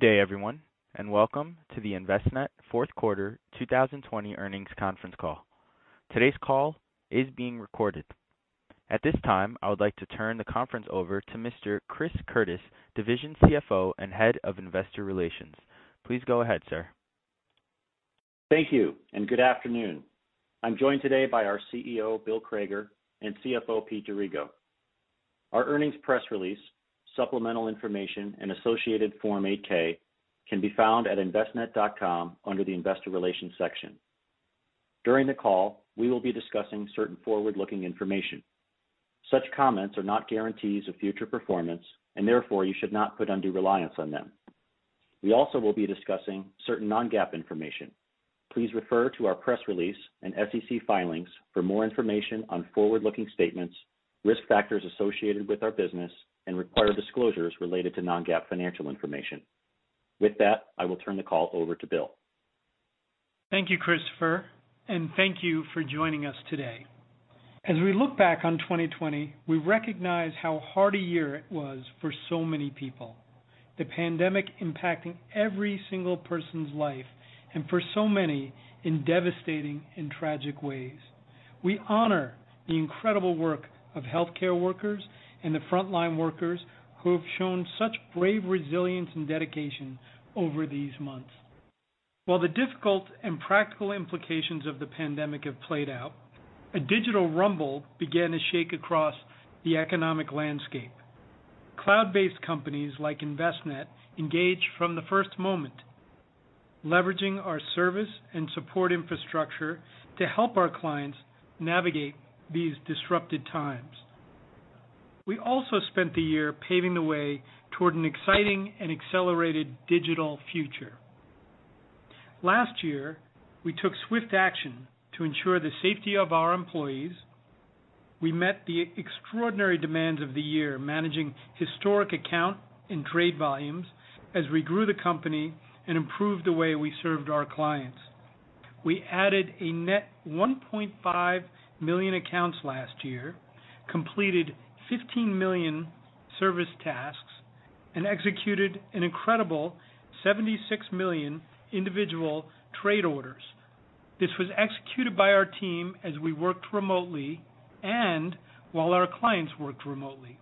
Good day, everyone, and welcome to the Envestnet Fourth Quarter 2020 Earnings Conference Call. Today's call is being recorded. At this time, I would like to turn the conference over to Mr. Chris Curtis, Division CFO and Head of Investor Relations. Please go ahead, sir. Thank you, and good afternoon. I'm joined today by our CEO, Bill Crager, and CFO, Pete D'Arrigo. Our earnings press release, supplemental information, and associated Form 8-K can be found at envestnet.com under the investor relations section. During the call, we will be discussing certain forward-looking information. Such comments are not guarantees of future performance, and therefore you should not put undue reliance on them. We also will be discussing certain non-GAAP information. Please refer to our press release and SEC filings for more information on forward-looking statements, risk factors associated with our business, and required disclosures related to non-GAAP financial information. With that, I will turn the call over to Bill. Thank you, Christopher, and thank you for joining us today. As we look back on 2020, we recognize how hard a year it was for so many people, the pandemic impacting every single person's life, and for so many in devastating and tragic ways. We honor the incredible work of healthcare workers and the frontline workers who have shown such brave resilience and dedication over these months. While the difficult and practical implications of the pandemic have played out, a digital rumble began to shake across the economic landscape. Cloud-based companies like Envestnet engaged from the first moment, leveraging our service and support infrastructure to help our clients navigate these disrupted times. We also spent the year paving the way toward an exciting and accelerated digital future. Last year, we took swift action to ensure the safety of our employees. We met the extraordinary demands of the year, managing historic account and trade volumes as we grew the company and improved the way we served our clients. We added a net 1.5 million accounts last year, completed 15 million service tasks, and executed an incredible 76 million individual trade orders. This was executed by our team as we worked remotely and while our clients worked remotely.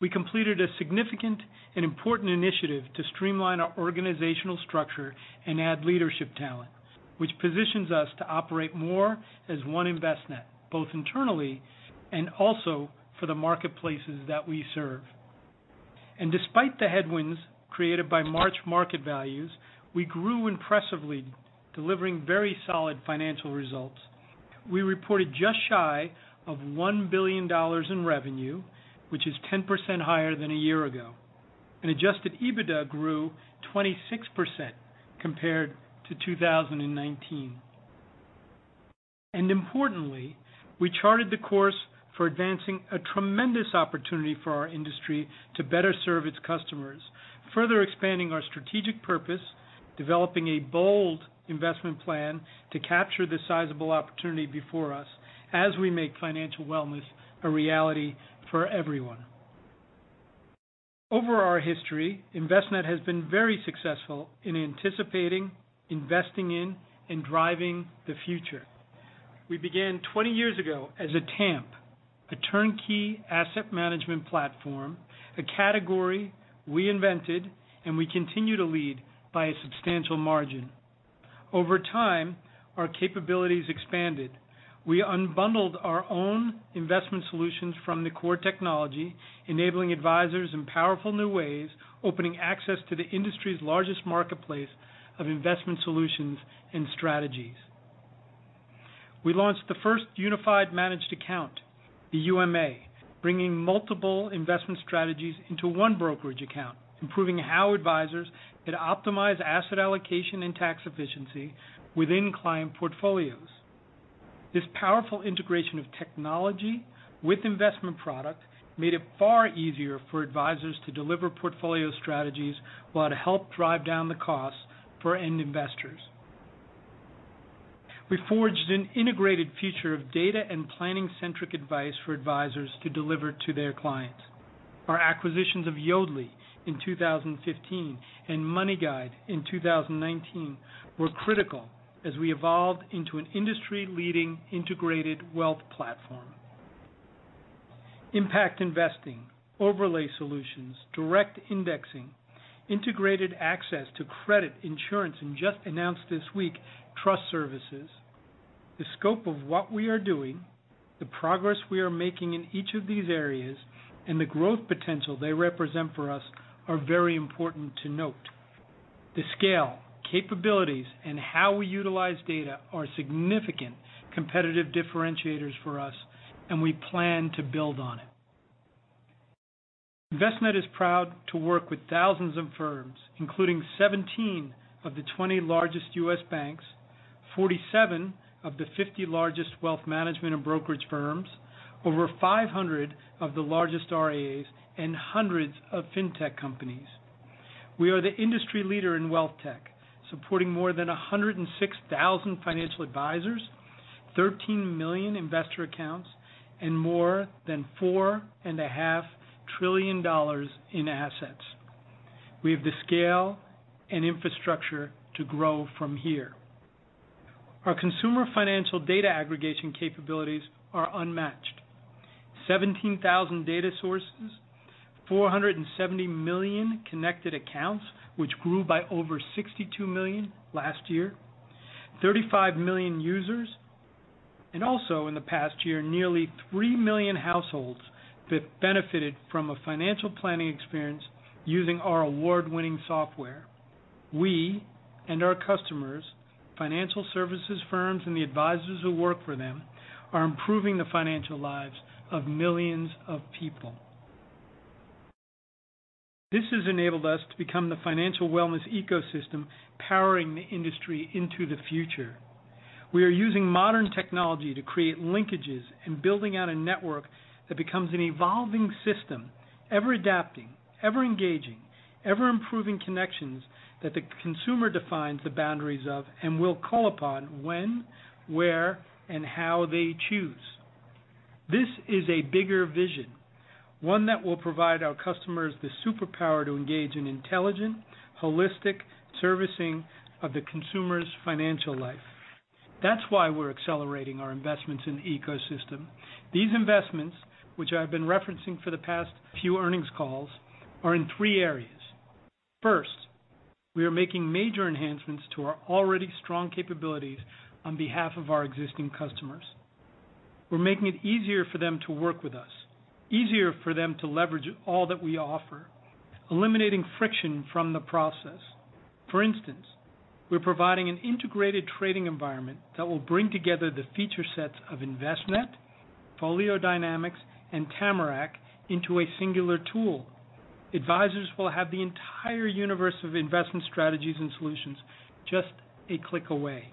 We completed a significant and important initiative to streamline our organizational structure and add leadership talent, which positions us to operate more as one Envestnet, both internally and also for the marketplaces that we serve. Despite the headwinds created by March market values, we grew impressively, delivering very solid financial results. We reported just shy of $1 billion in revenue, which is 10% higher than a year ago, and Adjusted EBITDA grew 26% compared to 2019. Importantly, we charted the course for advancing a tremendous opportunity for our industry to better serve its customers, further expanding our strategic purpose, developing a bold investment plan to capture the sizable opportunity before us as we make financial wellness a reality for everyone. Over our history, Envestnet has been very successful in anticipating, investing in, and driving the future. We began 20 years ago as a TAMP, a turnkey asset management platform, a category we invented and we continue to lead by a substantial margin. Over time, our capabilities expanded. We unbundled our own investment solutions from the core technology, enabling advisors in powerful new ways, opening access to the industry's largest marketplace of investment solutions and strategies. We launched the first unified managed account, the UMA, bringing multiple investment strategies into one brokerage account, improving how advisors could optimize asset allocation and tax efficiency within client portfolios. This powerful integration of technology with investment product made it far easier for advisors to deliver portfolio strategies while to help drive down the cost for end investors. We forged an integrated future of data and planning-centric advice for advisors to deliver to their clients. Our acquisitions of Yodlee in 2015 and MoneyGuide in 2019 were critical as we evolved into an industry-leading integrated wealth platform. impact portfolios, overlay solutions, direct indexing, integrated access to credit insurance, and just announced this week, Envestnet Trust Services Exchange. The scope of what we are doing, the progress we are making in each of these areas, and the growth potential they represent for us are very important to note. The scale, capabilities, and how we utilize data are significant competitive differentiators for us, and we plan to build on it. Envestnet is proud to work with thousands of firms, including 17 of the 20 largest U.S. banks, 47 of the 50 largest wealth management and brokerage firms, 500 of the largest RIAs, and hundreds of fintech companies. We are the industry leader in wealth tech, supporting more than 106,000 financial advisors, 13 million investor accounts and more than $4.5 trillion in assets. We have the scale and infrastructure to grow from here. Our consumer financial data aggregation capabilities are unmatched. 17,000 data sources, 470 million connected accounts, which grew by over 62 million last year, 35 million users, and also in the past year, nearly 3 million households have benefited from a financial planning experience using our award-winning software. We and our customers, financial services firms, and the advisors who work for them are improving the financial lives of millions of people. This has enabled us to become the financial wellness ecosystem powering the industry into the future. We are using modern technology to create linkages and building out a network that becomes an evolving system, ever adapting, ever engaging, ever improving connections that the consumer defines the boundaries of and will call upon when, where, and how they choose. This is a bigger vision, one that will provide our customers the superpower to engage in intelligent, holistic servicing of the consumer's financial life. That's why we're accelerating our investments in ecosystem. These investments, which I've been referencing for the past few earnings calls, are in three areas. First, we are making major enhancements to our already strong capabilities on behalf of our existing customers. We're making it easier for them to work with us, easier for them to leverage all that we offer, eliminating friction from the process. For instance, we're providing an integrated trading environment that will bring together the feature sets of Envestnet, FolioDynamix, and Tamarac into a singular tool. Advisors will have the entire universe of investment strategies and solutions just a click away.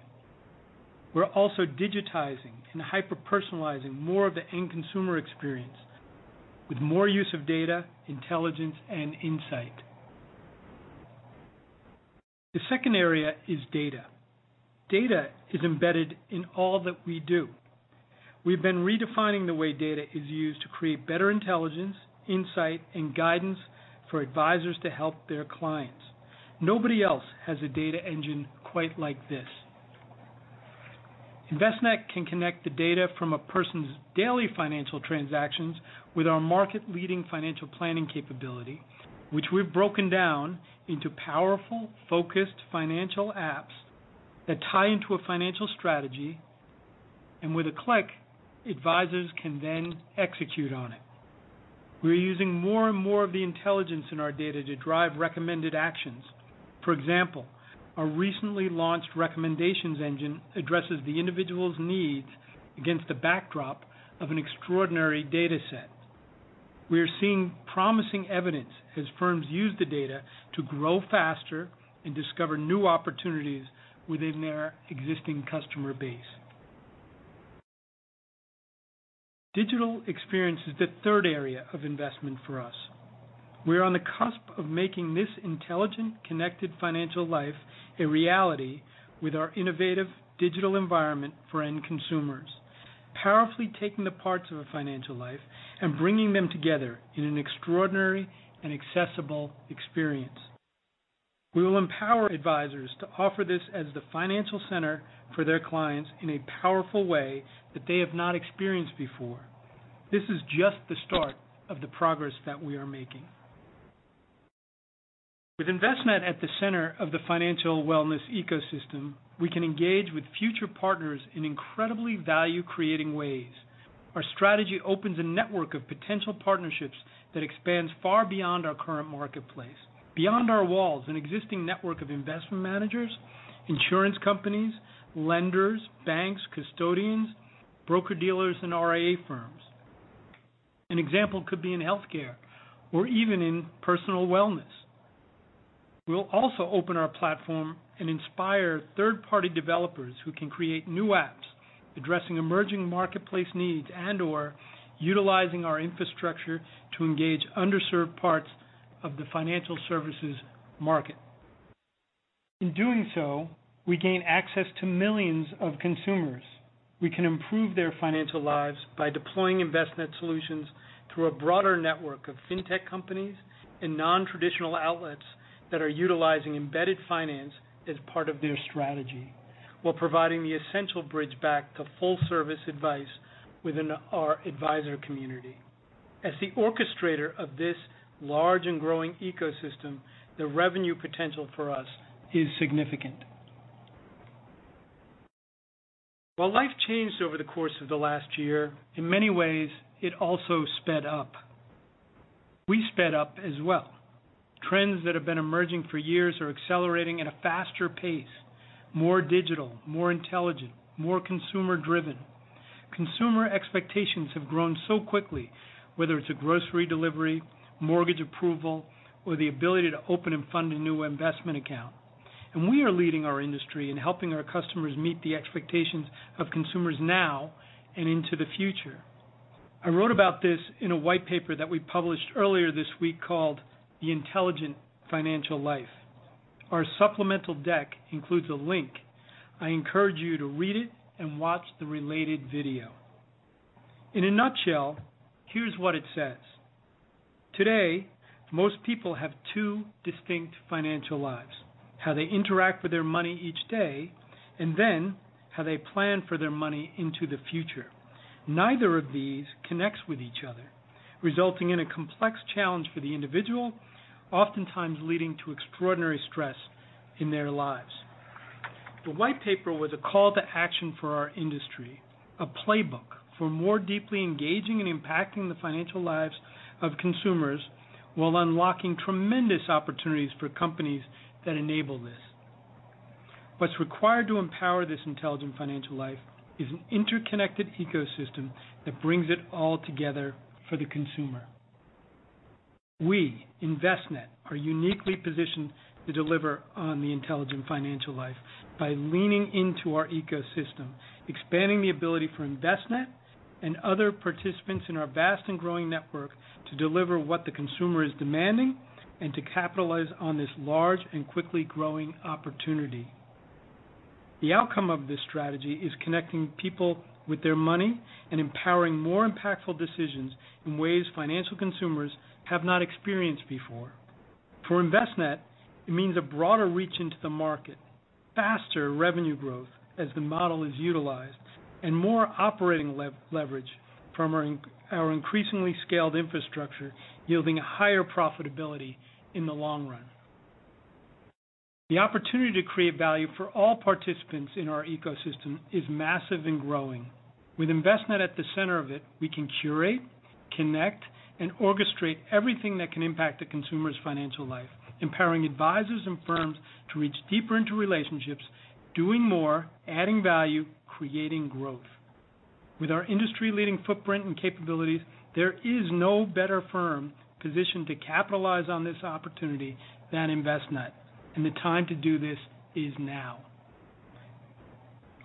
We're also digitizing and hyper-personalizing more of the end consumer experience with more use of data, intelligence, and insight. The second area is data. Data is embedded in all that we do. We've been redefining the way data is used to create better intelligence, insight, and guidance for advisors to help their clients. Nobody else has a data engine quite like this. Envestnet can connect the data from a person's daily financial transactions with our market-leading financial planning capability, which we've broken down into powerful, focused FinApps that tie into a financial strategy, and with a click, advisors can then execute on it. We're using more and more of the intelligence in our data to drive recommended actions. For example, our recently launched Recommendations Engine addresses the individual's needs against the backdrop of an extraordinary data set. We are seeing promising evidence as firms use the data to grow faster and discover new opportunities within their existing customer base. Digital experience is the third area of investment for us. We are on the cusp of making this intelligent, connected financial life a reality with our innovative digital environment for end consumers, powerfully taking the parts of a financial life and bringing them together in an extraordinary and accessible experience. We will empower advisors to offer this as the financial center for their clients in a powerful way that they have not experienced before. This is just the start of the progress that we are making. With Envestnet at the center of the financial wellness ecosystem, we can engage with future partners in incredibly value-creating ways. Our strategy opens a network of potential partnerships that expands far beyond our current marketplace, beyond our walls, an existing network of investment managers, insurance companies, lenders, banks, custodians, broker-dealers, and RIA firms. An example could be in healthcare or even in personal wellness. We'll also open our platform and inspire third-party developers who can create new apps addressing emerging marketplace needs and/or utilizing our infrastructure to engage underserved parts of the financial services market. In doing so, we gain access to millions of consumers. We can improve their financial lives by deploying Envestnet solutions through a broader network of Fintech companies and non-traditional outlets that are utilizing embedded finance as part of their strategy while providing the essential bridge back to full-service advice within our advisor community. As the orchestrator of this large and growing ecosystem, the revenue potential for us is significant. While life changed over the course of the last year, in many ways, it also sped up. We sped up as well. Trends that have been emerging for years are accelerating at a faster pace, more digital, more intelligent, more consumer-driven. Consumer expectations have grown so quickly, whether it is a grocery delivery, mortgage approval, or the ability to open and fund a new investment account. We are leading our industry in helping our customers meet the expectations of consumers now and into the future. I wrote about this in a white paper that we published earlier this week called "The Intelligent Financial Life." Our supplemental deck includes a link. I encourage you to read it and watch the related video. In a nutshell, here is what it says. Today, most people have two distinct financial lives, how they interact with their money each day, and then how they plan for their money into the future. Neither of these connects with each other, resulting in a complex challenge for the individual, oftentimes leading to extraordinary stress in their lives. The white paper was a call to action for our industry, a playbook for more deeply engaging and impacting the financial lives of consumers while unlocking tremendous opportunities for companies that enable this. What's required to empower this Intelligent Financial Life is an interconnected ecosystem that brings it all together for the consumer. We, Envestnet, are uniquely positioned to deliver on The Intelligent Financial Life by leaning into our ecosystem, expanding the ability for Envestnet and other participants in our vast and growing network to deliver what the consumer is demanding and to capitalize on this large and quickly growing opportunity. The outcome of this strategy is connecting people with their money and empowering more impactful decisions in ways financial consumers have not experienced before. For Envestnet, it means a broader reach into the market, faster revenue growth as the model is utilized, and more operating leverage from our increasingly scaled infrastructure, yielding a higher profitability in the long run. The opportunity to create value for all participants in our ecosystem is massive and growing. With Envestnet at the center of it, we can curate, connect, and orchestrate everything that can impact a consumer's financial life, empowering advisors and firms to reach deeper into relationships, doing more, adding value, creating growth. With our industry-leading footprint and capabilities, there is no better firm positioned to capitalize on this opportunity than Envestnet, and the time to do this is now.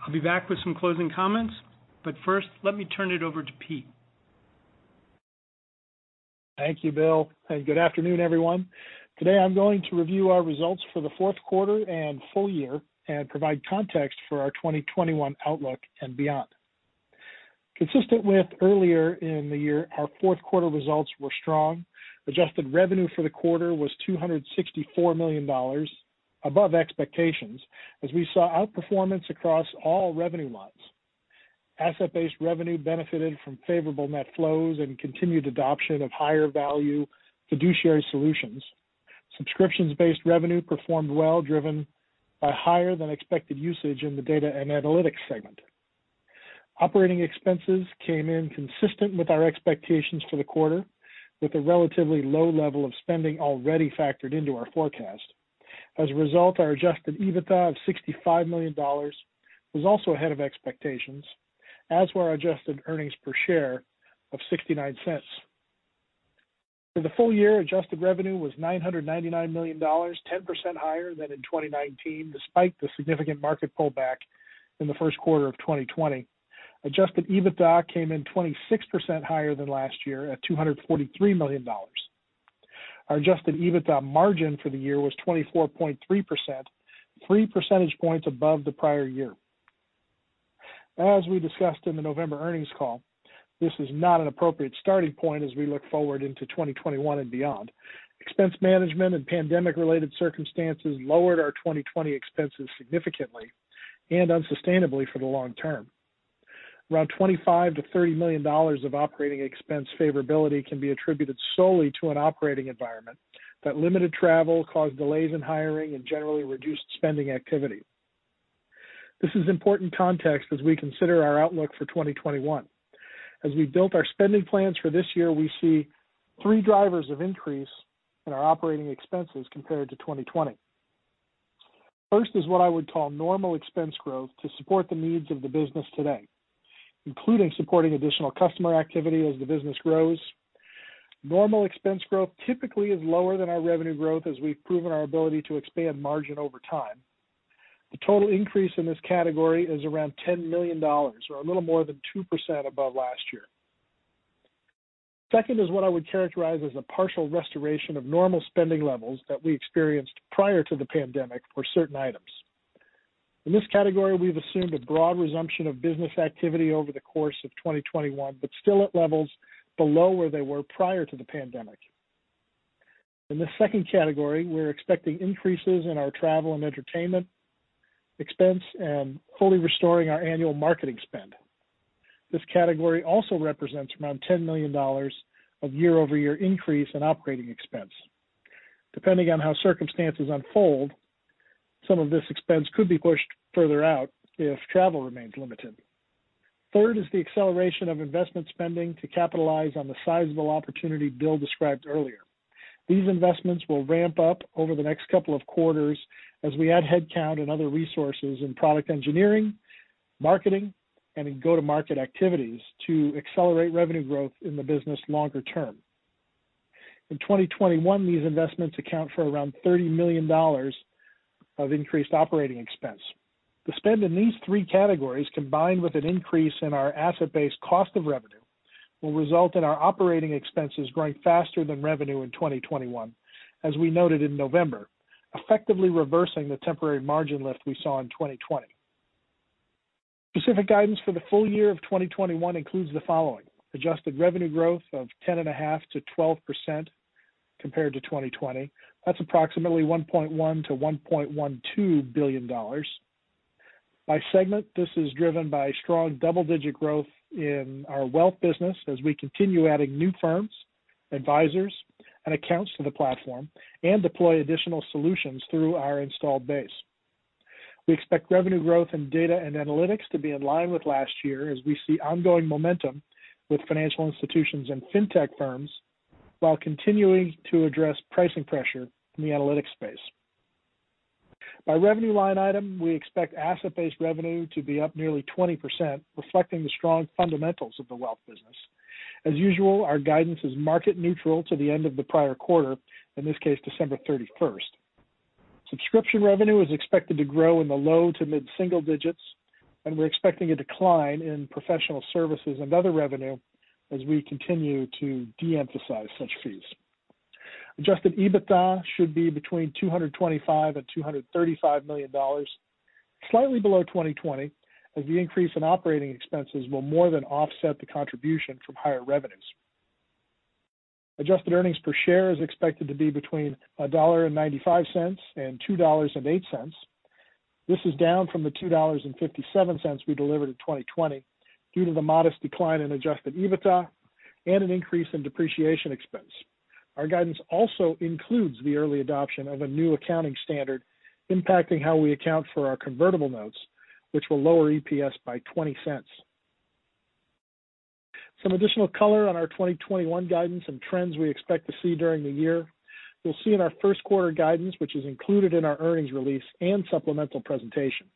I'll be back with some closing comments, but first, let me turn it over to Pete. Thank you, Bill, and good afternoon, everyone. Today, I'm going to review our results for the fourth quarter and full year and provide context for our 2021 outlook and beyond. Consistent with earlier in the year, our fourth quarter results were strong. Adjusted Revenue for the quarter was $264 million, above expectations as we saw outperformance across all revenue lines. Asset-based Revenue benefited from favorable net flows and continued adoption of higher value fiduciary solutions. Subscriptions-based Revenue performed well, driven by higher than expected usage in the data and analytics segment. Operating Expenses came in consistent with our expectations for the quarter, with a relatively low level of spending already factored into our forecast. As a result, our Adjusted EBITDA of $65 million was also ahead of expectations, as were our adjusted earnings per share of $0.69. For the full year, adjusted revenue was $999 million, 10% higher than in 2019, despite the significant market pullback in the first quarter of 2020. Adjusted EBITDA came in 26% higher than last year at $243 million. Our Adjusted EBITDA margin for the year was 24.3%, three percentage points above the prior year. As we discussed in the November earnings call, this is not an appropriate starting point as we look forward into 2021 and beyond. Expense management and pandemic-related circumstances lowered our 2020 expenses significantly and unsustainably for the long term. Around $25 million-$30 million of operating expense favorability can be attributed solely to an operating environment that limited travel, caused delays in hiring, and generally reduced spending activity. This is important context as we consider our outlook for 2021. As we built our spending plans for this year, we see three drivers of increase in our operating expenses compared to 2020. First is what I would call normal expense growth to support the needs of the business today, including supporting additional customer activity as the business grows. Normal expense growth typically is lower than our revenue growth as we've proven our ability to expand margin over time. The total increase in this category is around $10 million, or a little more than 2% above last year. Second is what I would characterize as a partial restoration of normal spending levels that we experienced prior to the pandemic for certain items. In this category, we've assumed a broad resumption of business activity over the course of 2021, but still at levels below where they were prior to the pandemic. In the second category, we're expecting increases in our travel and entertainment expense and fully restoring our annual marketing spend. This category also represents around $10 million of year-over-year increase in operating expense. Depending on how circumstances unfold, some of this expense could be pushed further out if travel remains limited. Third is the acceleration of investment spending to capitalize on the sizable opportunity Bill described earlier. These investments will ramp up over the next couple of quarters as we add headcount and other resources in product engineering, marketing, and in go-to-market activities to accelerate revenue growth in the business longer term. In 2021, these investments account for around $30 million of increased operating expense. The spend in these three categories, combined with an increase in our asset-based cost of revenue, will result in our operating expenses growing faster than revenue in 2021, as we noted in November, effectively reversing the temporary margin lift we saw in 2020. Specific guidance for the full year of 2021 includes the following. Adjusted revenue growth of 10.5%-12% compared to 2020. That's approximately $1.1 billion-$1.12 billion. By segment, this is driven by strong double-digit growth in our wealth business as we continue adding new firms, advisors, and accounts to the platform, and deploy additional solutions through our installed base. We expect revenue growth in data and analytics to be in line with last year as we see ongoing momentum with financial institutions and Fintech firms while continuing to address pricing pressure in the analytics space. By revenue line item, we expect asset-based revenue to be up nearly 20%, reflecting the strong fundamentals of the wealth business. As usual, our guidance is market neutral to the end of the prior quarter, in this case, December 31st. Subscription revenue is expected to grow in the low to mid-single digits, and we're expecting a decline in professional services and other revenue as we continue to de-emphasize such fees. Adjusted EBITDA should be between $225 million and $235 million, slightly below 2020, as the increase in operating expenses will more than offset the contribution from higher revenues. Adjusted earnings per share is expected to be between $1.95 and $2.08. This is down from the $2.57 we delivered in 2020 due to the modest decline in Adjusted EBITDA and an increase in depreciation expense. Our guidance also includes the early adoption of a new accounting standard impacting how we account for our convertible notes, which will lower EPS by $0.20. Some additional color on our 2021 guidance and trends we expect to see during the year. You'll see in our first quarter guidance, which is included in our earnings release and supplemental presentation,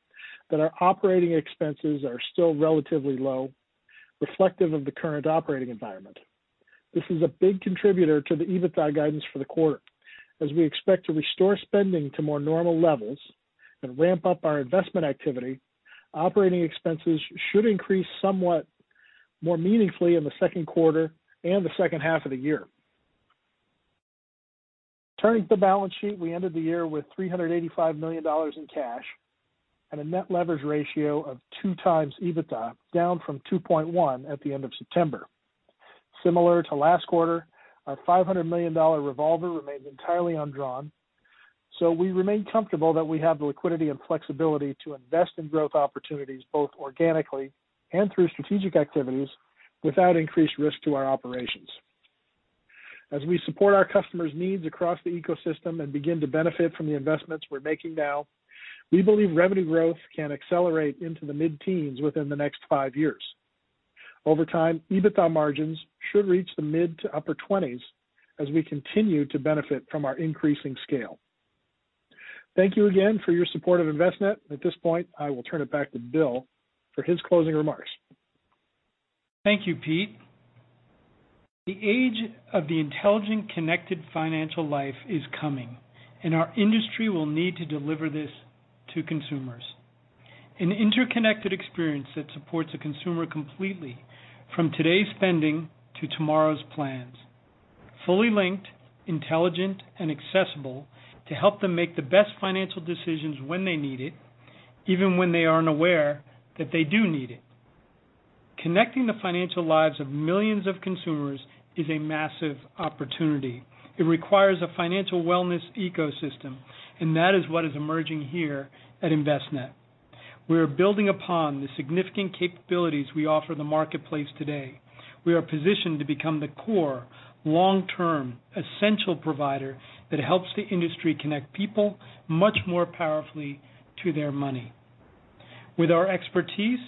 that our operating expenses are still relatively low, reflective of the current operating environment. This is a big contributor to the EBITDA guidance for the quarter. As we expect to restore spending to more normal levels and ramp up our investment activity, operating expenses should increase somewhat more meaningfully in the second quarter and the second half of the year. Turning to the balance sheet, we ended the year with $385 million in cash and a net leverage ratio of 2x EBITDA, down from 2.1 at the end of September. Similar to last quarter, our $500 million revolver remains entirely undrawn. We remain comfortable that we have the liquidity and flexibility to invest in growth opportunities, both organically and through strategic activities, without increased risk to our operations. As we support our customers' needs across the ecosystem and begin to benefit from the investments we're making now, we believe revenue growth can accelerate into the mid-teens within the next five years. Over time, EBITDA margins should reach the mid to upper 20s as we continue to benefit from our increasing scale. Thank you again for your support of Envestnet. At this point, I will turn it back to Bill for his closing remarks. Thank you, Pete. The age of The Intelligent, connected Financial Life is coming, and our industry will need to deliver this to consumers. An interconnected experience that supports a consumer completely from today's spending to tomorrow's plans. Fully linked, intelligent, and accessible to help them make the best financial decisions when they need it, even when they aren't aware that they do need it. Connecting the financial lives of millions of consumers is a massive opportunity. It requires a financial wellness ecosystem, and that is what is emerging here at Envestnet. We are building upon the significant capabilities we offer the marketplace today. We are positioned to become the core long-term essential provider that helps the industry connect people much more powerfully to their money. With our expertise,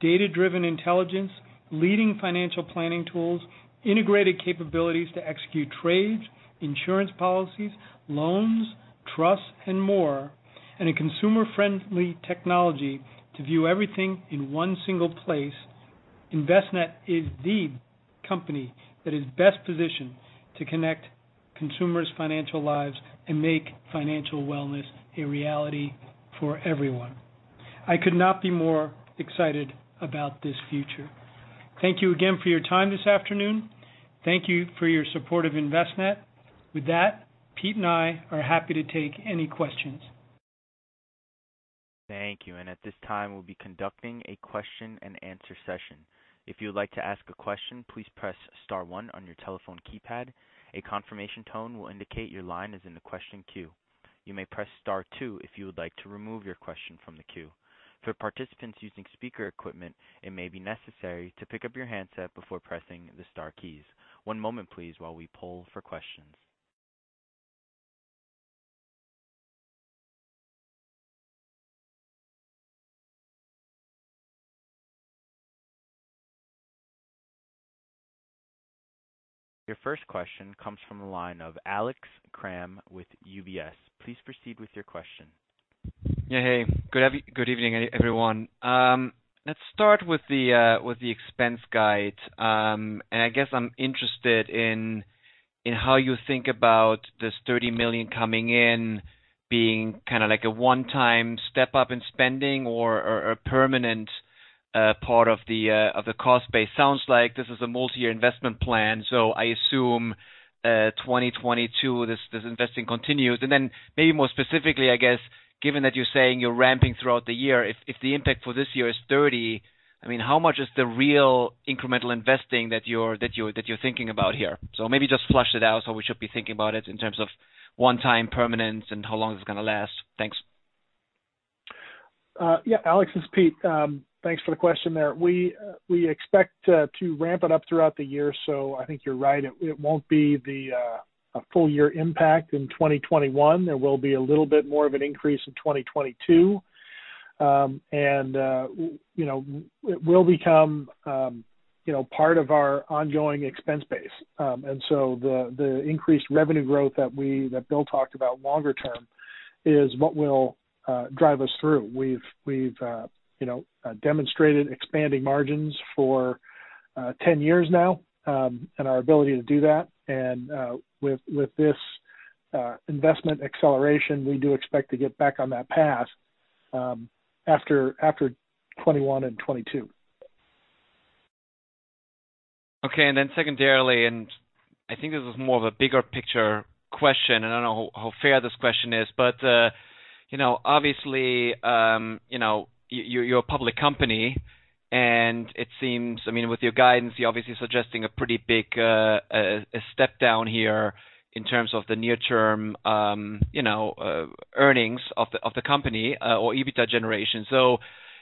data-driven intelligence, leading financial planning tools, integrated capabilities to execute trades, insurance policies, loans, trusts, and more, and a consumer-friendly technology to view everything in one single place, Envestnet is the company that is best positioned to connect consumers' financial lives and make financial wellness a reality for everyone. I could not be more excited about this future. Thank you again for your time this afternoon. Thank you for your support of Envestnet. With that, Pete and I are happy to take any questions. Thank you. At this time, we'll be conducting a question and answer session. To ask a question, please press star one on your telephone keypad. A confirmation tone will indicate your line is in the question queue. You may press star two if you would like to remove your question from the queue. For participants using speaker equipment, it may be necessary to pick up your handset before pressing the star keys. One moment, please, while we poll for questions. Your first question comes from the line of Alex Kramm with UBS. Yeah. Hey, good evening, everyone. Let's start with the expense guide. I guess I'm interested in how you think about this $30 million coming in being kind of like a one-time step up in spending or a permanent part of the cost base. Sounds like this is a multi-year investment plan, so I assume 2022, this investing continues. Maybe more specifically, I guess, given that you're saying you're ramping throughout the year, if the impact for this year is $30 million, how much is the real incremental investing that you're thinking about here? Maybe just flush it out how we should be thinking about it in terms of one time, permanent, and how long it's going to last. Thanks. Yeah. Alex, this is Pete. Thanks for the question there. We expect to ramp it up throughout the year. I think you're right. It won't be a full-year impact in 2021. There will be a little bit more of an increase in 2022. It will become part of our ongoing expense base. The increased revenue growth that Bill talked about longer term is what will drive us through. We've demonstrated expanding margins for 10 years now, and our ability to do that. With this investment acceleration, we do expect to get back on that path after 2021 and 2022. Okay, secondarily, I think this is more of a bigger picture question. I don't know how fair this question is. Obviously, you're a public company. It seems, with your guidance, you're obviously suggesting a pretty big step-down here in terms of the near-term earnings of the company or EBITDA generation.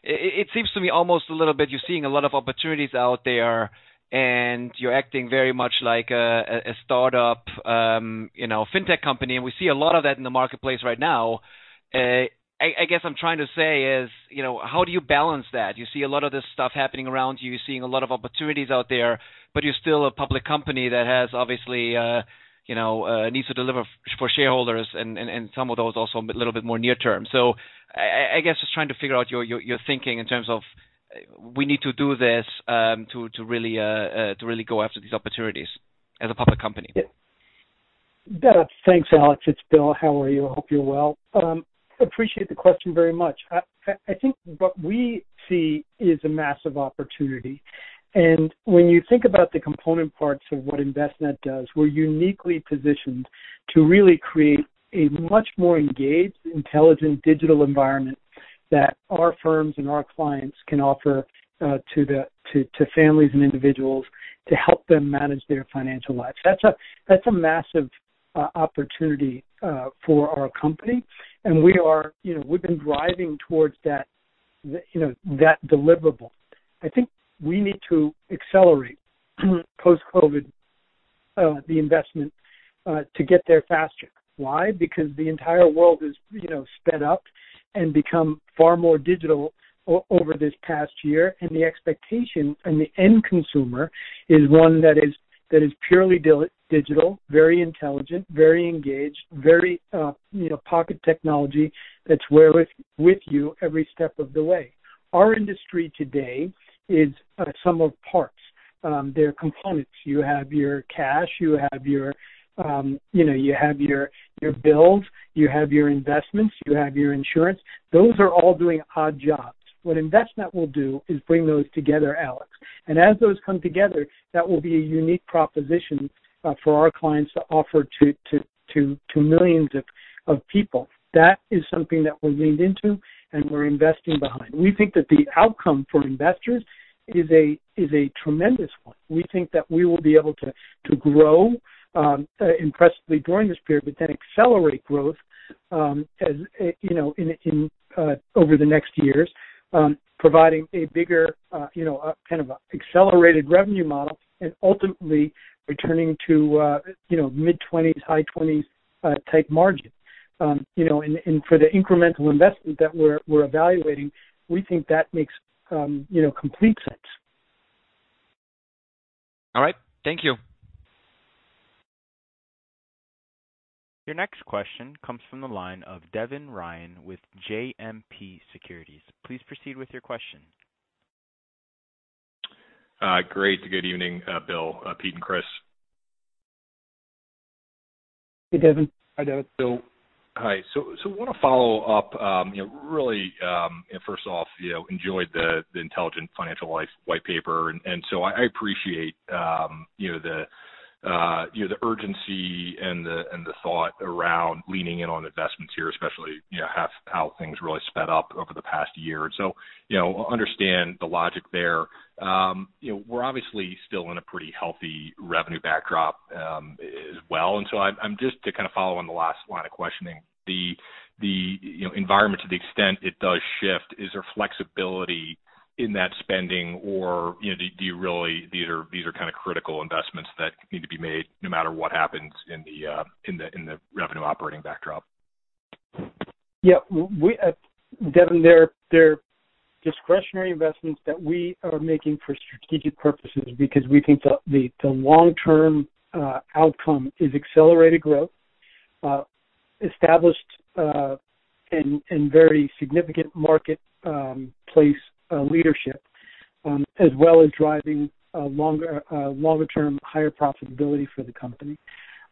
It seems to me almost a little bit you're seeing a lot of opportunities out there, and you're acting very much like a startup Fintech company. We see a lot of that in the marketplace right now. I guess I'm trying to say is, how do you balance that? You see a lot of this stuff happening around you. You're seeing a lot of opportunities out there, you're still a public company that obviously needs to deliver for shareholders, some of those also a little bit more near term. I guess just trying to figure out your thinking in terms of we need to do this to really go after these opportunities as a public company. Thanks, Alex. It's Bill. How are you? I hope you're well. Appreciate the question very much. I think what we see is a massive opportunity. When you think about the component parts of what Envestnet does, we're uniquely positioned to really create a much more engaged, intelligent digital environment that our firms and our clients can offer to families and individuals to help them manage their financial lives. That's a massive opportunity for our company, and we've been driving towards that deliverable. I think we need to accelerate, post-COVID, the investment to get there faster. Why? Because the entire world has sped up and become far more digital over this past year. The expectation on the end consumer is one that is purely digital, very intelligent, very engaged, very pocket technology that's with you every step of the way. Our industry today is a sum of parts. They're components. You have your cash, you have your bills, you have your investments, you have your insurance. Those are all doing odd jobs. What Envestnet will do is bring those together, Alex. As those come together, that will be a unique proposition for our clients to offer to millions of people. That is something that we leaned into and we're investing behind. We think that the outcome for investors is a tremendous one. We think that we will be able to grow impressively during this period, but then accelerate growth over the next years, providing a bigger kind of accelerated revenue model, and ultimately returning to mid-20s, high-20s type margin. For the incremental investment that we're evaluating, we think that makes complete sense. All right. Thank you. Your next question comes from the line of Devin Ryan with JMP Securities. Please proceed with your question. Great. Good evening, Bill, Pete, and Chris. Hey, Devin. Hi, Devin. Hi. Want to follow up. Really first off, enjoyed The Intelligent Financial Life white paper. I appreciate the urgency and the thought around leaning in on investments here, especially how things really sped up over the past year. Understand the logic there. We're obviously still in a pretty healthy revenue backdrop as well. Just to kind of follow on the last line of questioning, the environment to the extent it does shift, is there flexibility in that spending, or do you really these are kind of critical investments that need to be made no matter what happens in the revenue operating backdrop? Yeah. Devin, discretionary investments that we are making for strategic purposes because we think the long-term outcome is accelerated growth, established and very significant marketplace leadership, as well as driving longer-term higher profitability for the company.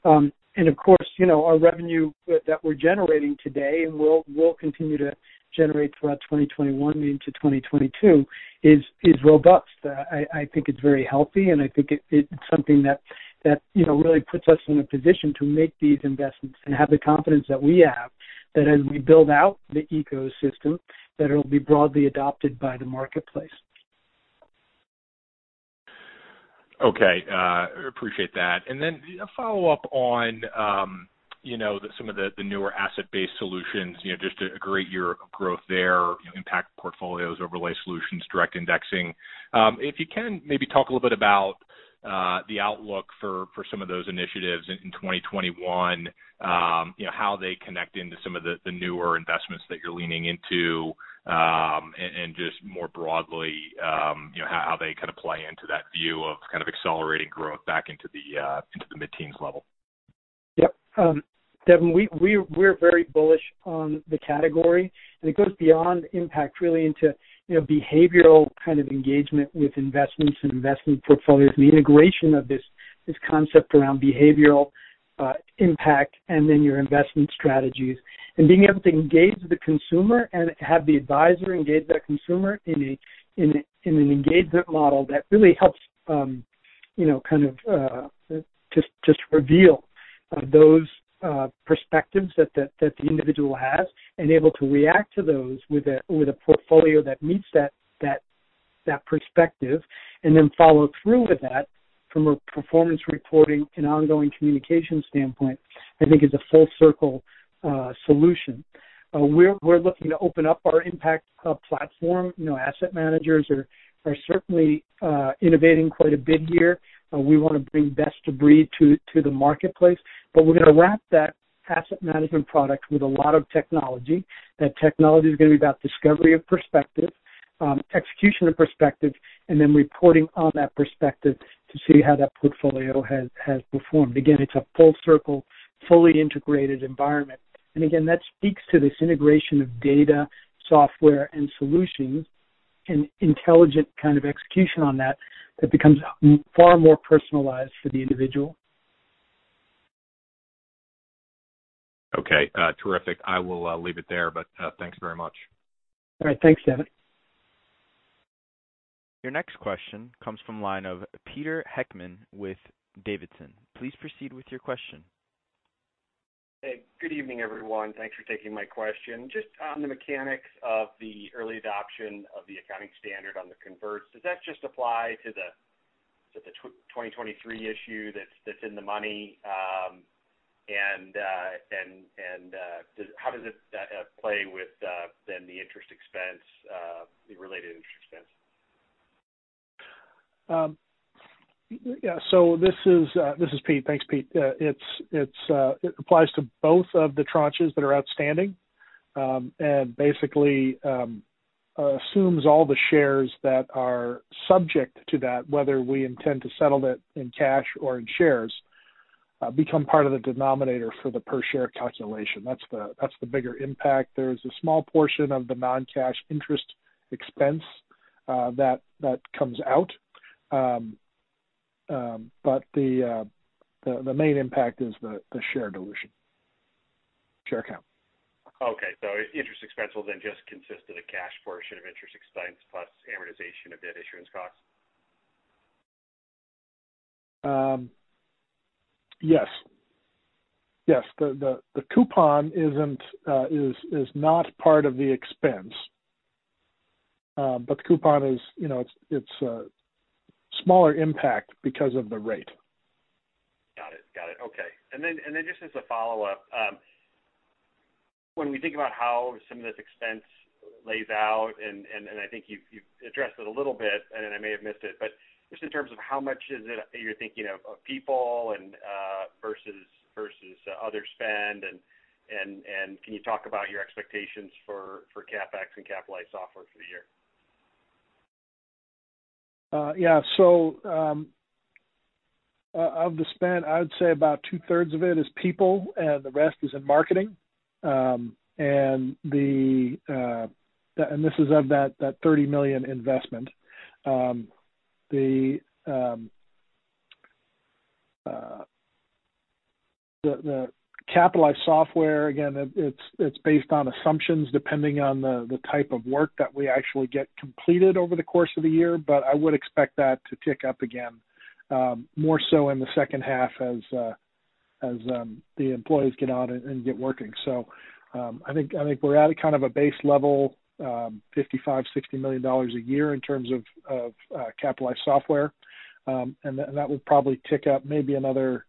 Of course, our revenue that we're generating today and will continue to generate throughout 2021 into 2022 is robust. I think it's very healthy, and I think it's something that really puts us in a position to make these investments and have the confidence that we have, that as we build out the ecosystem, that it'll be broadly adopted by the marketplace. Okay. Appreciate that. A follow-up on some of the newer asset-based solutions, just a great year of growth there, impact portfolios, overlay solutions, direct indexing. If you can maybe talk a little bit about the outlook for some of those initiatives in 2021, how they connect into some of the newer investments that you're leaning into, and just more broadly, how they kind of play into that view of kind of accelerating growth back into the mid-teens level. Yep. Devin, we're very bullish on the category, and it goes beyond impact really into behavioral kind of engagement with investments and investment portfolios and the integration of this concept around behavioral impact, and then your investment strategies. Being able to engage the consumer and have the advisor engage that consumer in an engagement model that really helps just reveal those perspectives that the individual has and able to react to those with a portfolio that meets that perspective and then follow through with that from a performance reporting and ongoing communication standpoint, I think is a full circle solution. We're looking to open up our impact platform. Asset managers are certainly innovating quite a bit here. We want to bring best of breed to the marketplace. We're going to wrap that asset management product with a lot of technology. That technology is going to be about discovery of perspective, execution of perspective, and then reporting on that perspective to see how that portfolio has performed. Again, it's a full circle, fully integrated environment. Again, that speaks to this integration of data, software, and solutions, and intelligent kind of execution on that becomes far more personalized for the individual. Okay. Terrific. I will leave it there. Thanks very much. All right. Thanks, Devin. Your next question comes from line of Peter Heckmann with Davidson. Please proceed with your question. Hey, good evening, everyone. Thanks for taking my question. Just on the mechanics of the early adoption of the accounting standard on the converts, does that just apply to the 2023 issue that's in the money, and how does it play with then the interest expense, the related interest expense? Yeah. This is Pete. Thanks, Pete. It applies to both of the tranches that are outstanding. Basically assumes all the shares that are subject to that, whether we intend to settle that in cash or in shares, become part of the denominator for the per share calculation. That's the bigger impact. There's a small portion of the non-cash interest expense that comes out. The main impact is the share dilution. Share count. Okay. Interest expense will then just consist of the cash portion of interest expense plus amortization of debt issuance costs? Yes. The coupon is not part of the expense. The coupon, it's a smaller impact because of the rate. Got it. Okay. Just as a follow-up, when we think about how some of this expense lays out, and I think you've addressed it a little bit, and I may have missed it, but just in terms of how much is it that you're thinking of people versus other spend, and can you talk about your expectations for CapEx and capitalized software for the year? Yeah. Of the spend, I would say about two-thirds of it is people, and the rest is in marketing. This is of that $30 million investment. The capitalized software, again, it's based on assumptions depending on the type of work that we actually get completed over the course of the year, but I would expect that to tick up again, more so in the second half as the employees get on it and get working. I think we're at a kind of a base level, $55 million-$60 million a year in terms of capitalized software. That would probably tick up maybe another,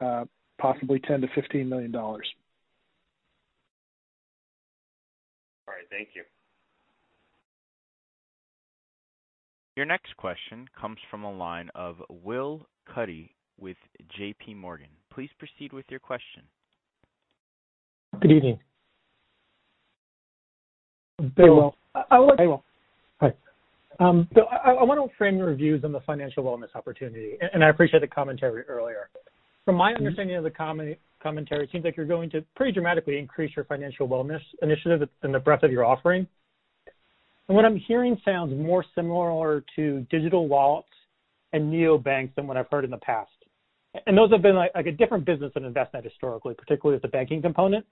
possibly $10 million-$15 million. All right. Thank you. Your next question comes from the line of Will Cuddy with JPMorgan. Please proceed with your question. Good evening. Hey, Will. Hi. I want to frame your views on the financial wellness opportunity, and I appreciate the commentary earlier. From my understanding of the commentary, it seems like you're going to pretty dramatically increase your Financial Wellness Initiative and the breadth of your offering. What I'm hearing sounds more similar to digital wallets and neobanks than what I've heard in the past. Those have been a different business than Envestnet historically, particularly with the banking component.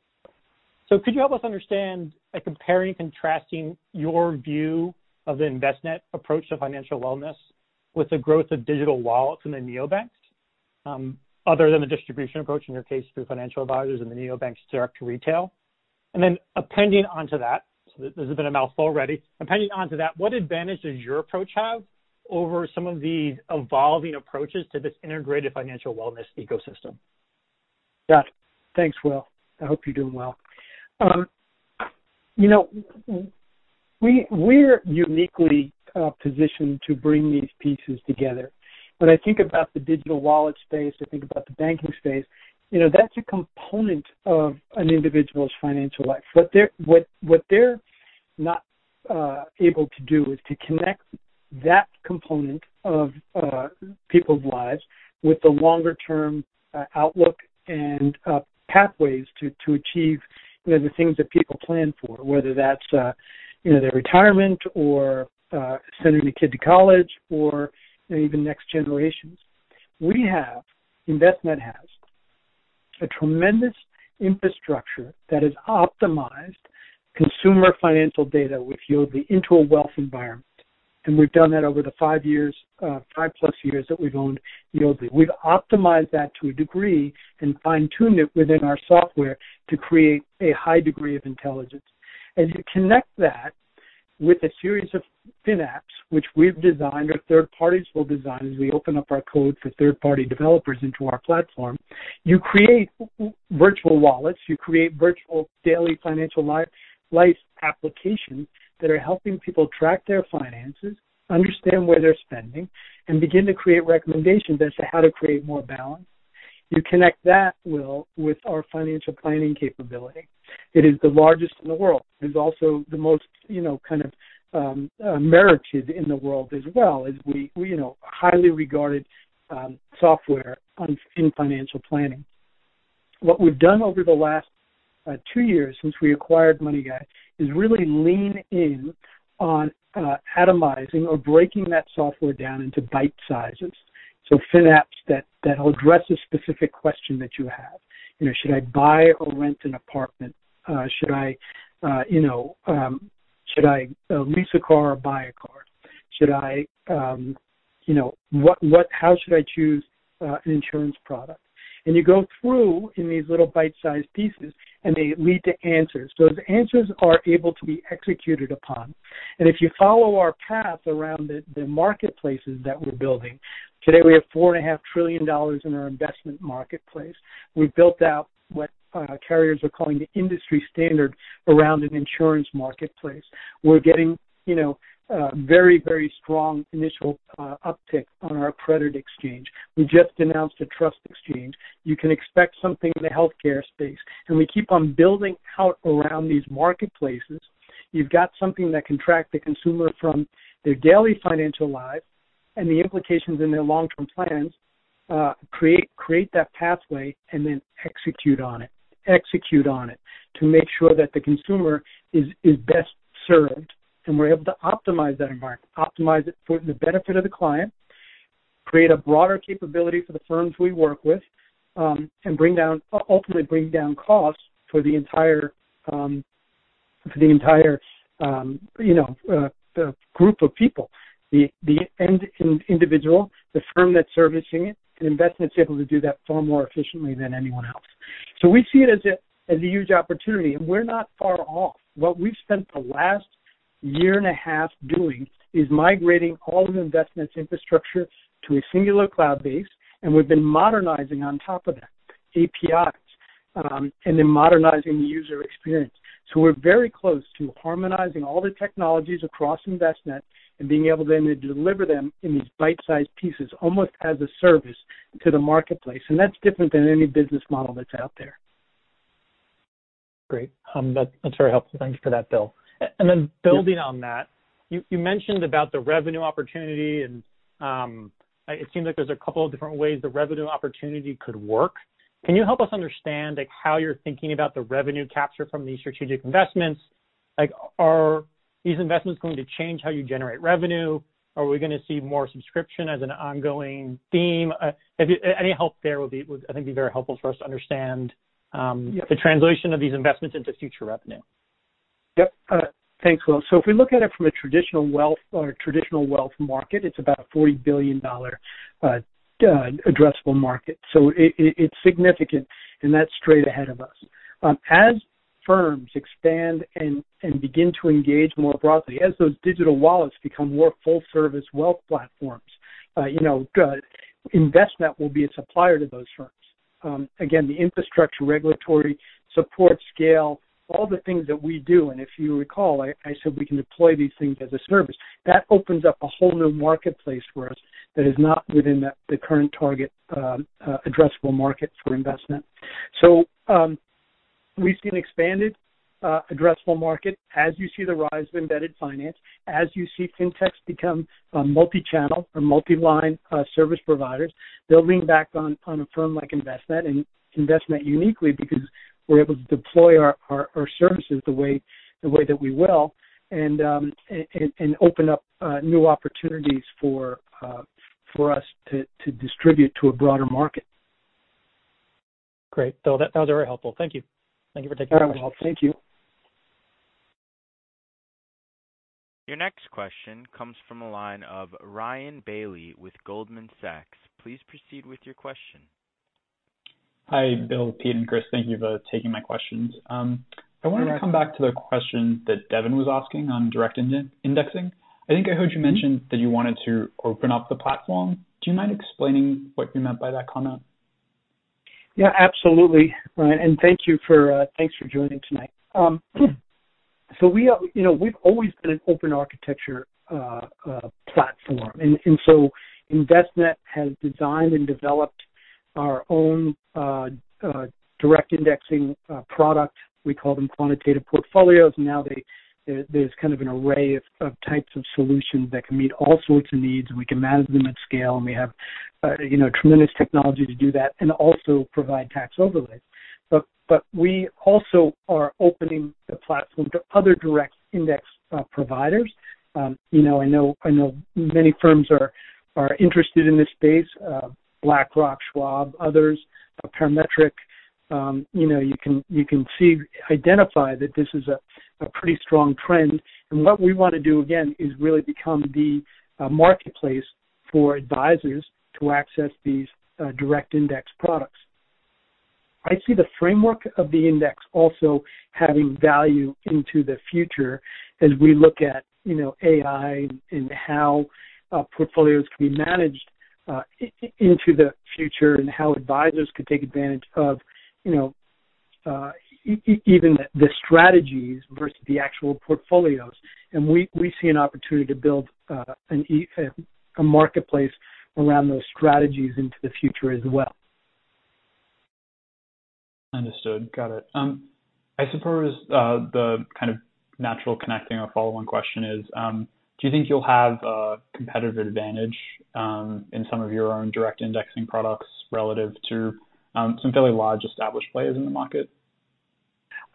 Could you help us understand, like comparing, contrasting your view of the Envestnet approach to financial wellness with the growth of digital wallets and the neobanks, other than the distribution approach, in your case, through financial advisors and the neobanks direct to retail? Appending onto that, so this has been a mouthful already. Appending onto that, what advantage does your approach have over some of these evolving approaches to this integrated financial wellness ecosystem? Yeah. Thanks, Will. I hope you're doing well. We're uniquely positioned to bring these pieces together. When I think about the digital wallet space, I think about the banking space, that's a component of an individual's financial life. What they're not able to do is to connect that component of people's lives with the longer-term outlook and pathways to achieve the things that people plan for, whether that's their retirement or sending a kid to college or even next generations. We have, Envestnet has, a tremendous infrastructure that has optimized consumer financial data with Yodlee into a wealth environment. We've done that over the five-plus years that we've owned Yodlee. We've optimized that to a degree and fine-tuned it within our software to create a high degree of intelligence. As you connect that with a series of FinApps, which we've designed or third parties will design as we open up our code for third-party developers into our platform, you create virtual wallets. You create virtual daily financial life applications that are helping people track their finances, understand where they're spending, and begin to create recommendations as to how to create more balance. You connect that, Will, with our financial planning capability. It is the largest in the world. It is also the most kind of merited in the world as well as we, highly regarded software in financial planning. What we've done over the last two years since we acquired MoneyGuide is really lean in on atomizing or breaking that software down into bite sizes. FinApps that'll address a specific question that you have. Should I buy or rent an apartment? Should I lease a car or buy a car? How should I choose an insurance product? You go through in these little bite-sized pieces, and they lead to answers. The answers are able to be executed upon. If you follow our path around the marketplaces that we're building, today, we have $4.5 trillion in our investment marketplace. We've built out what carriers are calling the industry standard around an Envestnet Insurance Exchange. We're getting very strong initial uptick on our Credit Exchange. We just announced an Envestnet Trust Services Exchange. You can expect something in the healthcare space. We keep on building out around these marketplaces. You've got something that can track the consumer from their daily financial lives and the implications in their long-term plans, create that pathway, and then execute on it. Execute on it to make sure that the consumer is best served. We're able to optimize that environment, optimize it for the benefit of the client, create a broader capability for the firms we work with, and ultimately bring down costs for the entire group of people, the end individual, the firm that's servicing it, and Envestnet's able to do that far more efficiently than anyone else. We see it as a huge opportunity, and we're not far off. What we've spent the last year and a half doing is migrating all of Envestnet's infrastructure to a singular cloud base, and we've been modernizing on top of that, APIs, and then modernizing the user experience. We're very close to harmonizing all the technologies across Envestnet and being able then to deliver them in these bite-sized pieces, almost as a service to the marketplace. That's different than any business model that's out there. Great. That's very helpful. Thanks for that, Bill. Building on that, you mentioned about the revenue opportunity, and it seems like there's a couple of different ways the revenue opportunity could work. Can you help us understand how you're thinking about the revenue capture from these strategic investments? Are these investments going to change how you generate revenue? Are we going to see more subscription as an ongoing theme? Any help there would, I think, be very helpful for us to understand the translation of these investments into future revenue. Yep. Thanks, Will. If we look at it from a traditional wealth market, it's about a $40 billion addressable market, it's significant, and that's straight ahead of us. As firms expand and begin to engage more broadly, as those digital wallets become more full-service wealth platforms, Envestnet will be a supplier to those firms. Again, the infrastructure, regulatory support, scale, all the things that we do, if you recall, I said we can deploy these things as a service. That opens up a whole new marketplace for us that is not within the current target addressable market for Envestnet. We see an expanded addressable market as you see the rise of embedded finance, as you see Fintechs become multi-channel or multi-line service providers. They'll lean back on a firm like Envestnet, and Envestnet uniquely because we're able to deploy our services the way that we will, and open up new opportunities for us to distribute to a broader market. Great. That was very helpful. Thank you. Thank you for taking my call. All right. Thank you. Your next question comes from the line of Ryan Bailey with Goldman Sachs. Please proceed with your question. Hi, Bill, Pete, and Chris. Thank you for taking my questions. You're welcome. I wanted to come back to the question that Devin was asking on direct indexing. I think I heard you mention that you wanted to open up the platform. Do you mind explaining what you meant by that comment? Absolutely, Ryan, and thanks for joining tonight. We've always been an open architecture platform. Envestnet has designed and developed our own direct indexing product. We call them Quantitative Portfolios. There's kind of an array of types of solutions that can meet all sorts of needs, and we can manage them at scale, and we have tremendous technology to do that, and also provide tax overlays. We also are opening the platform to other direct index providers. I know many firms are interested in this space, BlackRock, Schwab, others, Parametric. You can identify that this is a pretty strong trend. What we want to do, again, is really become the marketplace for advisors to access these direct index products. I see the framework of the index also having value into the future as we look at AI and how portfolios can be managed into the future, and how advisors could take advantage of even the strategies versus the actual portfolios. We see an opportunity to build a marketplace around those strategies into the future as well. Understood. Got it. I suppose the kind of natural connecting or follow-on question is, do you think you'll have a competitive advantage in some of your own direct indexing products relative to some fairly large established players in the market?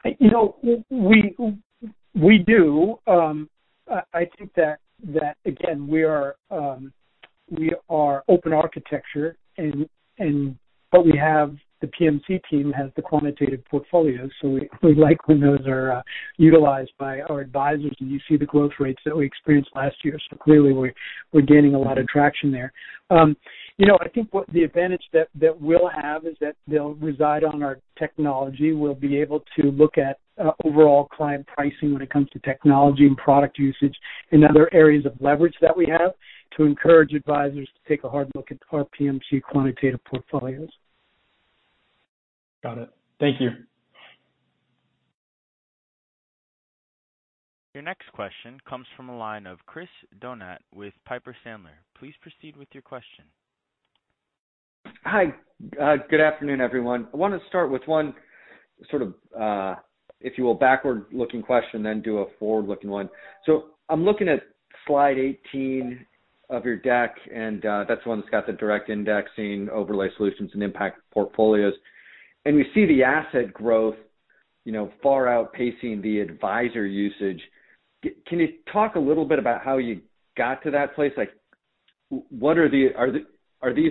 We do. I think that, again, we are open architecture, but the PMC team has the Quantitative Portfolios. We like when those are utilized by our advisors, and you see the growth rates that we experienced last year. Clearly, we're gaining a lot of traction there. I think what the advantage that we'll have is that they'll reside on our technology. We'll be able to look at overall client pricing when it comes to technology and product usage and other areas of leverage that we have to encourage advisors to take a hard look at our PMC Quantitative Portfolios. Got it. Thank you. Your next question comes from the line of Chris Donat with Piper Sandler. Please proceed with your question. Hi. Good afternoon, everyone. I want to start with one sort of, if you will, backward-looking question, then do a forward-looking one. I'm looking at slide 18 of your deck, and that's the one that's got the direct indexing overlay solutions and impact portfolios. We see the asset growth far outpacing the advisor usage. Can you talk a little bit about how you got to that place? Are these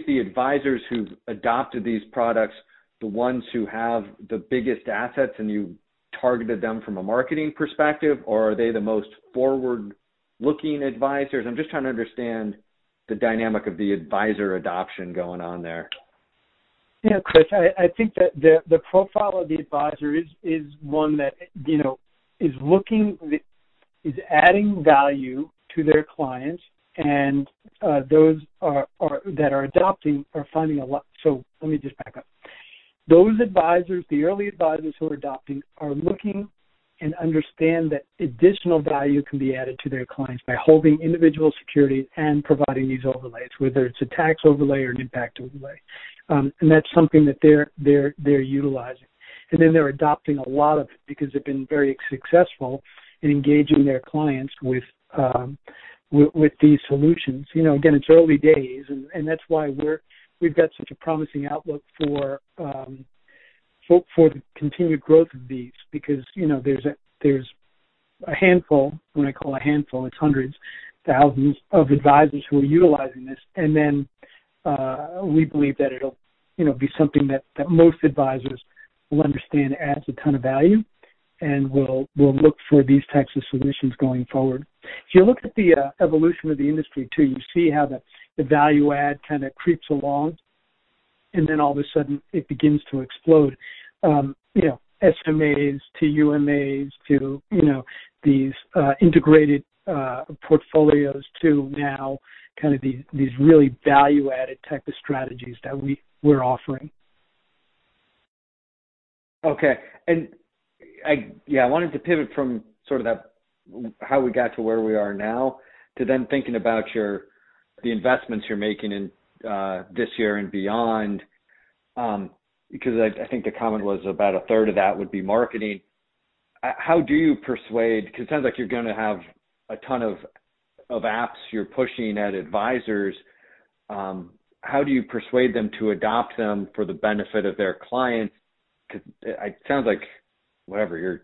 the advisors who've adopted these products the ones who have the biggest assets, and you targeted them from a marketing perspective, or are they the most forward-looking advisors? I'm just trying to understand the dynamic of the advisor adoption going on there. Yeah, Chris, I think that the profile of the advisor is one that is adding value to their clients. Let me just back up. Those advisors, the early advisors who are adopting, are looking and understand that additional value can be added to their clients by holding individual security and providing these overlays, whether it's a tax overlay or an impact overlay. That's something that they're utilizing. They're adopting a lot of it because they've been very successful in engaging their clients with these solutions. Again, it's early days, and that's why we've got such a promising outlook for the continued growth of these, because there's a handful, when I call a handful, it's hundreds, thousands of advisors who are utilizing this. We believe that it'll be something that most advisors will understand adds a ton of value and will look for these types of solutions going forward. If you look at the evolution of the industry, too, you see how the value add kind of creeps along, and then all of a sudden it begins to explode: SMAs to UMAs to these integrated portfolios to now these really value-added type of strategies that we're offering. Okay. I wanted to pivot from that how we got to where we are now to then thinking about the investments you're making in this year and beyond. I think the comment was about a third of that would be marketing. It sounds like you're going to have a ton of apps you're pushing at advisors, how do you persuade them to adopt them for the benefit of their clients? It sounds like you're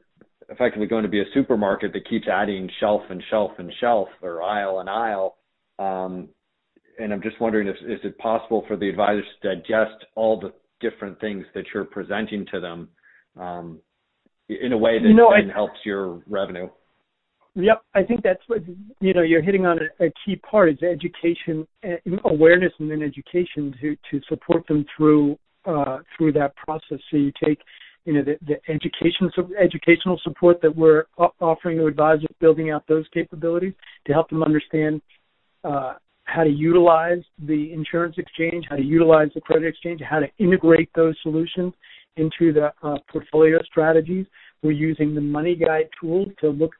effectively going to be a supermarket that keeps adding shelf and shelf and shelf or aisle and aisle. I'm just wondering if, is it possible for the advisors to digest all the different things that you're presenting to them, in a way that then helps your revenue? Yep. I think you're hitting on a key part, is education. Awareness, then education to support them through that process. You take the educational support that we're offering to advisors, building out those capabilities to help them understand how to utilize the Envestnet Insurance Exchange, how to utilize the Credit Exchange, how to integrate those solutions into the portfolio strategies. We're using the MoneyGuide tool to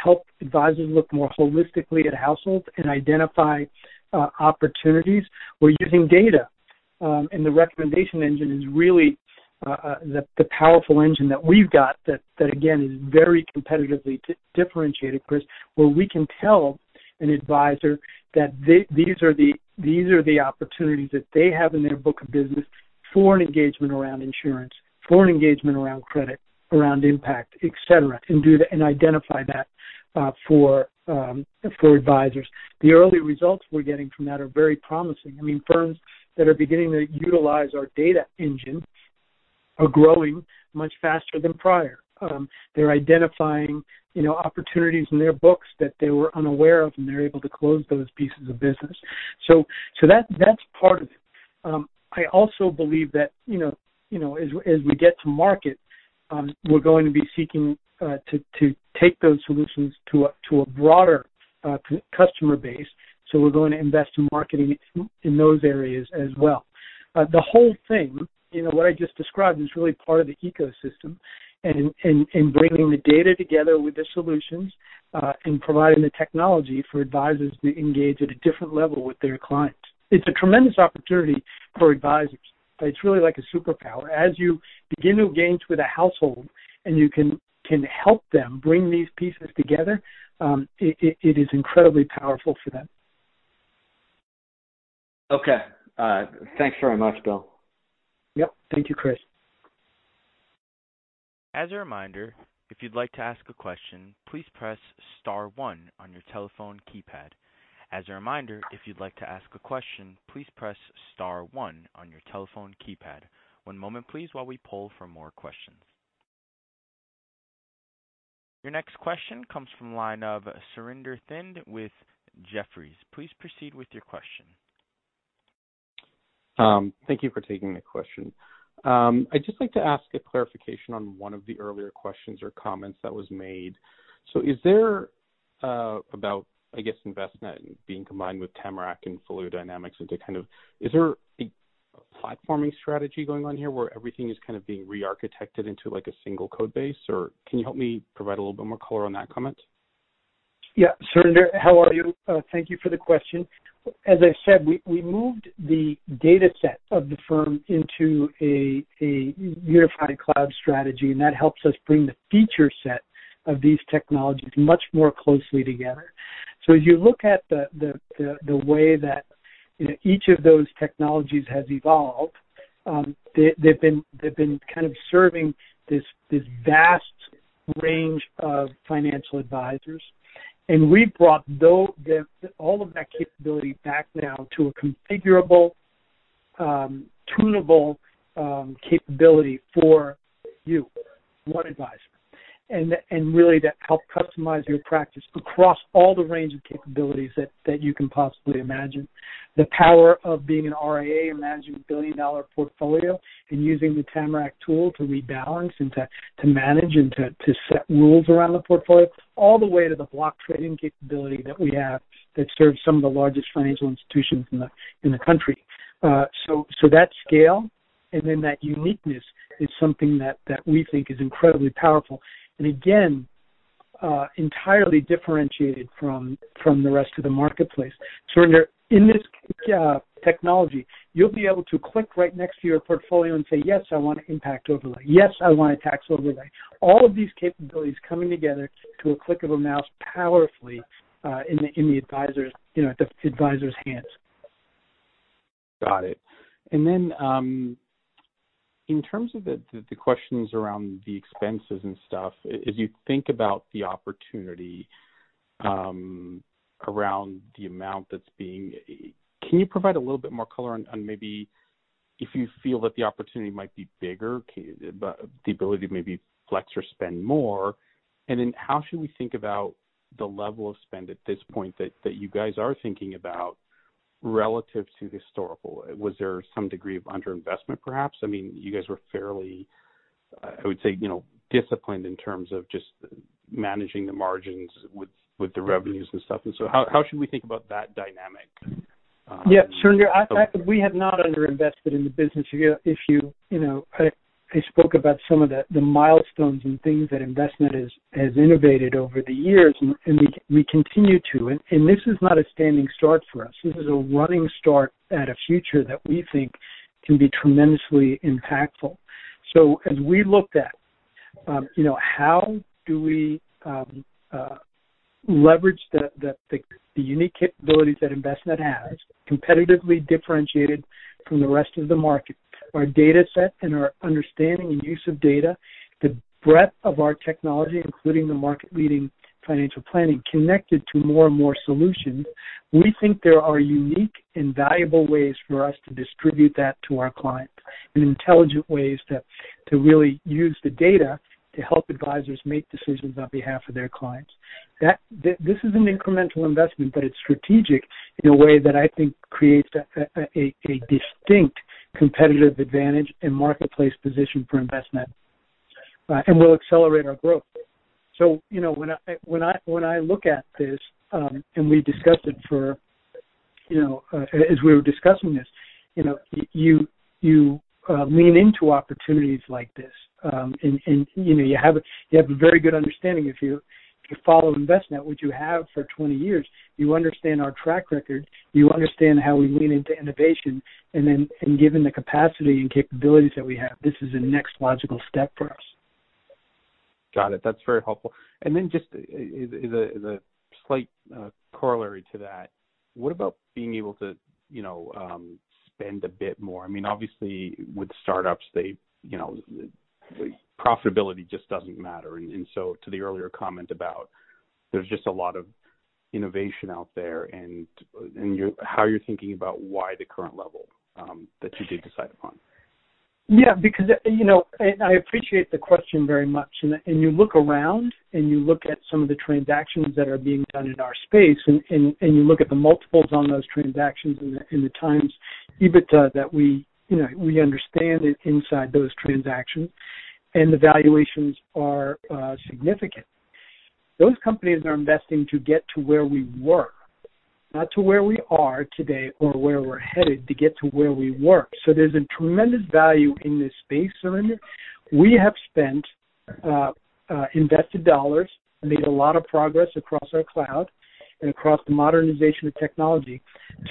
help advisors look more holistically at households and identify opportunities. We're using data. The Recommendations Engine is really the powerful engine that we've got that, again, is very competitively differentiated, Chris, where we can tell an advisor that these are the opportunities that they have in their book of business for an engagement around insurance, for an engagement around credit, around impact, et cetera, and identify that for advisors. The early results we're getting from that are very promising. Firms that are beginning to utilize our data engine are growing much faster than prior. They're identifying opportunities in their books that they were unaware of, and they're able to close those pieces of business. That's part of it. I also believe that as we get to market, we're going to be seeking to take those solutions to a broader customer base. We're going to invest in marketing in those areas as well. The whole thing, what I just described, is really part of the ecosystem and bringing the data together with the solutions, and providing the technology for advisors to engage at a different level with their clients. It's a tremendous opportunity for advisors. It's really like a superpower. As you begin to engage with a household and you can help them bring these pieces together, it is incredibly powerful for them. Okay. Thanks very much, Bill. Yep. Thank you, Chris. Your next question comes from the line of Surinder Thind with Jefferies. Please proceed with your question. Thank you for taking the question. I'd just like to ask a clarification on one of the earlier questions or comments that was made. Is there Envestnet being combined with Tamarac and FolioDynamix? Is there a platforming strategy going on here where everything is kind of being re-architected into a single code base, or can you help me provide a little more color on that comment? Yeah, Surinder, how are you? Thank you for the question. As I said, we moved the dataset of the firm into a unified cloud strategy, and that helps us bring the feature set of these technologies much more closely together. As you look at the way that each of those technologies has evolved, they've been kind of serving this vast range of financial advisors. We've brought all of that capability back now to a configurable, tunable capability for you, one advisor. Really to help customize your practice across all the range of capabilities that you can possibly imagine. The power of being an RIA and managing a $1 billion-dollar portfolio and using the Tamarac tool to rebalance and to manage and to set rules around the portfolio, all the way to the block trading capability that we have that serves some of the largest financial institutions in the country. That scale and then that uniqueness is something that we think is incredibly powerful, and again, entirely differentiated from the rest of the marketplace. Surinder, in this technology, you'll be able to click right next to your portfolio and say, "Yes, I want an impact overlay. Yes, I want a tax overlay." All of these capabilities coming together to a click of a mouse powerfully in the advisor's hands. Got it. In terms of the questions around the expenses and stuff. Can you provide a little bit more color on maybe if you feel that the opportunity might be bigger, the ability to maybe flex or spend more? How should we think about the level of spend at this point that you guys are thinking about? Relative to historical, was there some degree of underinvestment perhaps? You guys were fairly, I would say disciplined in terms of just managing the margins with the revenues and stuff. How should we think about that dynamic? Yeah, sure. We have not under-invested in the business. I spoke about some of the milestones and things that Envestnet has innovated over the years, and we continue to. This is not a standing start for us. This is a running start at a future that we think can be tremendously impactful. As we looked at how do we leverage the unique capabilities that Envestnet has competitively differentiated from the rest of the market, our data set and our understanding and use of data, the breadth of our technology, including the market-leading financial planning connected to more and more solutions, we think there are unique and valuable ways for us to distribute that to our clients, and intelligent ways to really use the data to help advisors make decisions on behalf of their clients. This is an incremental investment, but it's strategic in a way that I think creates a distinct competitive advantage and marketplace position for Envestnet, and will accelerate our growth. When I look at this, as we were discussing this, you lean into opportunities like this. You have a very good understanding. If you follow Envestnet, which you have for 20 years, you understand our track record, you understand how we lean into innovation. Given the capacity and capabilities that we have, this is the next logical step for us. Got it. That's very helpful. Just as a slight corollary to that, what about being able to spend a bit more? Obviously, with startups, profitability just doesn't matter. To the earlier comment about there's just a lot of innovation out there, and how you're thinking about why the current level that you did decide upon. Yeah. I appreciate the question very much. You look around, and you look at some of the transactions that are being done in our space, and you look at the multiples on those transactions and the times EBITDA that we understand inside those transactions, and the valuations are significant. Those companies are investing to get to where we were, not to where we are today or where we're headed, to get to where we were. There's a tremendous value in this space, Surinder. We have spent invested dollars and made a lot of progress across our cloud and across the modernization of technology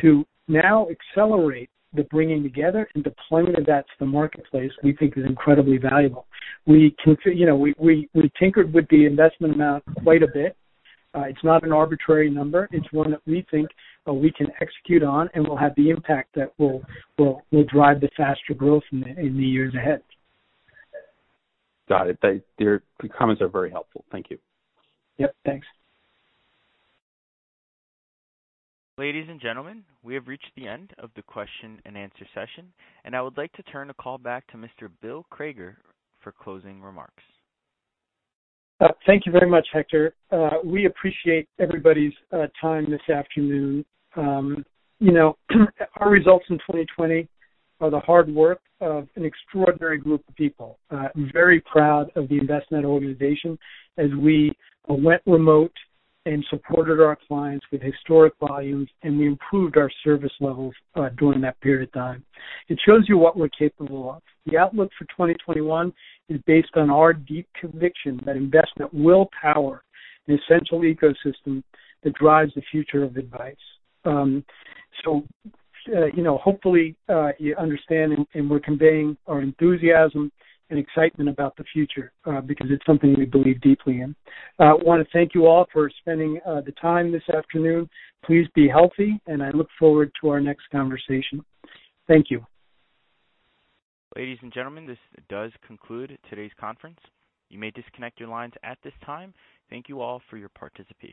to now accelerate the bringing together and deployment of that to the marketplace, we think is incredibly valuable. We tinkered with the investment amount quite a bit. It's not an arbitrary number. It's one that we think we can execute on, and will have the impact that will drive the faster growth in the years ahead. Got it. The comments are very helpful. Thank you. Yep, thanks. Ladies and gentlemen, we have reached the end of the question and answer session. I would like to turn the call back to Mr. Bill Crager for closing remarks. Thank you very much, Hector. We appreciate everybody's time this afternoon. Our results in 2020 are the hard work of an extraordinary group of people. I'm very proud of the Envestnet organization as we went remote and supported our clients with historic volumes, and we improved our service levels during that period of time. It shows you what we're capable of. The outlook for 2021 is based on our deep conviction that Envestnet will power an essential ecosystem that drives the future of advice. Hopefully, you understand, and we're conveying our enthusiasm and excitement about the future, because it's something we believe deeply in. I want to thank you all for spending the time this afternoon. Please be healthy, and I look forward to our next conversation. Thank you. Ladies and gentlemen, this does conclude today's conference. You may disconnect your lines at this time. Thank you all for your participation.